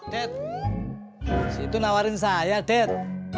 det situ nawarin saya det